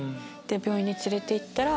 病院に連れて行ったら。